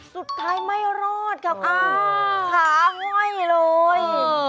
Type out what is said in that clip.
สุดท้ายไม่รอดค่ะขาห้อยเลย